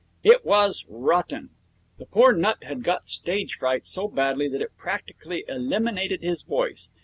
It was rotten. The poor nut had got stage fright so badly that it practically eliminated his voice.